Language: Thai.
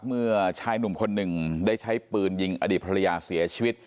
เมื่อชายหนุ่มคนหนึ่งได้ใช้ปืนยิงอดีตภรรยาเสียชีวิต